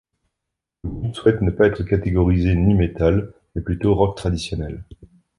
Le groupe souhaite ne pas être catégorisé nu metal, mais plutôt rock traditionnel.